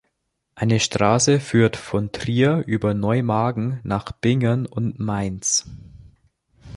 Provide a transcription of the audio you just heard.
Eine Straße führt von Trier über Neumagen nach Bingen und Mainz.